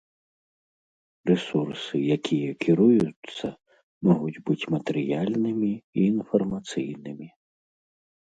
Рэсурсы, якія кіруюцца, могуць быць матэрыяльнымі і інфармацыйнымі.